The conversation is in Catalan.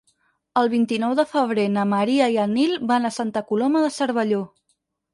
El vint-i-nou de febrer na Maria i en Nil van a Santa Coloma de Cervelló.